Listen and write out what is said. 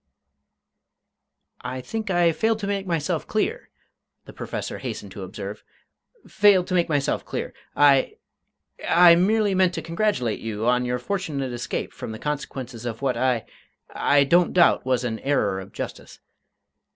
"I think I failed to make myself clear," the Professor hastened to observe "failed to make myself clear. I I merely meant to congratulate you on your fortunate escape from the consequences of what I I don't doubt was an error of justice.